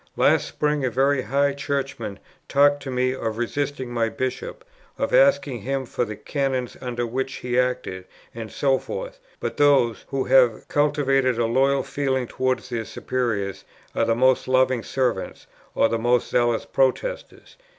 Last spring, a very high churchman talked to me of resisting my Bishop, of asking him for the Canons under which he acted, and so forth; but those, who have cultivated a loyal feeling towards their superiors, are the most loving servants, or the most zealous protestors.